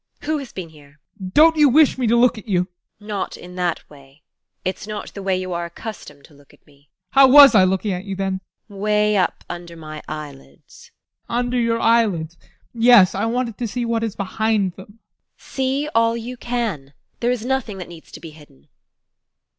Who has been here? ADOLPH. Don't you wish me to look at you? TEKLA. Not in that way: it's not the way you are accustomed to look at me. ADOLPH. How was I looking at you then? TEKLA. Way up under my eyelids. ADOLPH. Under your eyelids yes, I wanted to see what is behind them. TEKLA. See all you can! There is nothing that needs to be hidden.